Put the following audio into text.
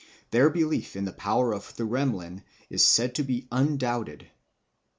Their belief in the power of Thuremlin is said to be undoubted.